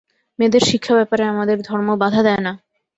মেয়েদের শিক্ষা-ব্যাপারে আমাদের ধর্ম বাধা দেয় না।